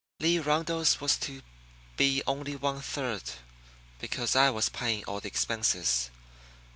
Lee Rundle's was to be only one third, because I was paying all the expenses.